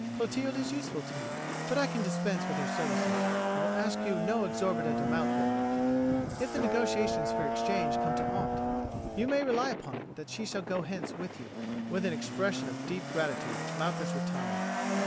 "Clotilde is useful to me, but I can dispense with her services, and will ask you no exorbitant amount for her. If the negotiations for your exchange come to aught, you may rely upon it that she shall go hence with you." With an expression of deep gratitude Malchus retired.